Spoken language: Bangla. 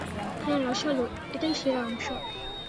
হ্যাঁ, রসালো, এটাই সেরা অংশ।